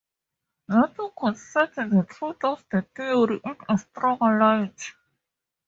Nothing could set the truth of the theory in a stronger light.